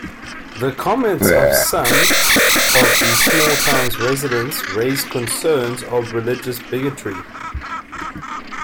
The comments of some of the small town's residents raised concerns of religious bigotry.